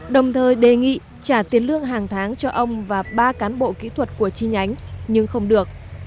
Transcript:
đồng thời đề nghị trả tiền lương hàng tháng cho ông và ba cán bộ kỹ thuật của chi nhánh nhưng không được